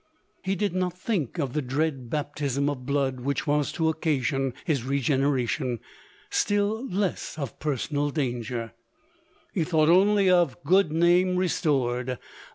He did not think of the dread baptism of blood which was to occasion his regeneration — still less of personal danger ; he thought only of good name restored — of hi.